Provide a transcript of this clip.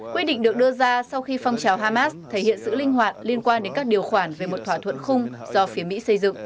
quyết định được đưa ra sau khi phong trào hamas thể hiện sự linh hoạt liên quan đến các điều khoản về một thỏa thuận khung do phía mỹ xây dựng